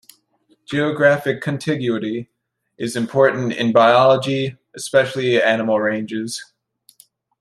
Geographic contiguity is important in biology, especially animal ranges.